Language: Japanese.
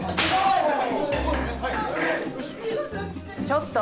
ちょっと？